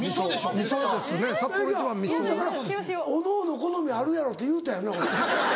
いやだからおのおの好みあるやろって言うたよな俺。